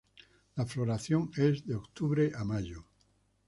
La floración es de octubre a mayo.